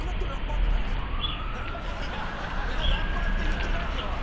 いや別にラッパーって言ってないよ。